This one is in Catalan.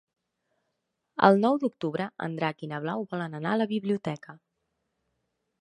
El nou d'octubre en Drac i na Blau volen anar a la biblioteca.